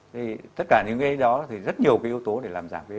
thì tất cả những cái đó thì rất nhiều cái yếu tố để làm giảm cái ô nhiễm đi